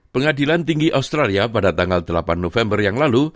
pengadilan tinggi australia pada tanggal delapan november yang lalu